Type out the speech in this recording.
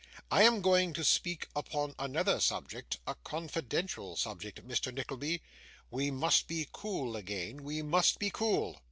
I am going to speak upon another subject, a confidential subject, Mr. Nickleby. We must be cool again, we must be cool.